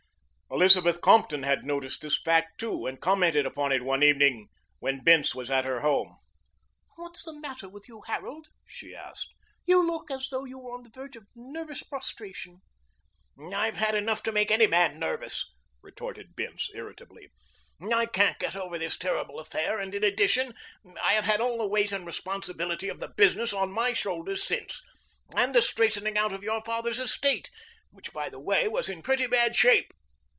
Elizabeth Compton had noticed this fact, too, and commented upon it one evening when Bince was at her home. "What's the matter with you, Harold?" she asked. "You look as though you are on the verge of nervous prostration." "I've had enough to make any man nervous," retorted Bince irritably. "I can't get over this terrible affair, and in addition I have had all the weight and responsibility of the business on my shoulders since, and the straightening out of your father's estate, which, by the way, was in pretty bad shape.